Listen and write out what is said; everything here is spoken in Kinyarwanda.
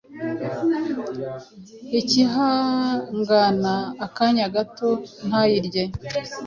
akihangana akanya gato ntayirye